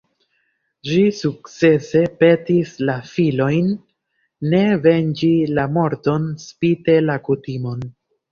Ŝi sukcese petis la filojn ne venĝi la morton spite la kutimon.